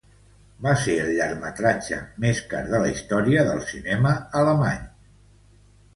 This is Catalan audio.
Va ser el llargmetratge més car de la història del cinema alemany.